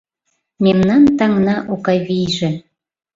Мемнан таҥна Окавийже